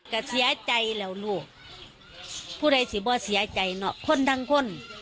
ก็เสียใจแล้วลูกผู้ใดสิบ่เสียใจเนอะคนทั้งคน